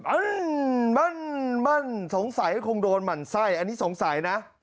อันนนนบั้นบั้นสงสัยคงโดนมันไส้อันนี้สงสัยนะ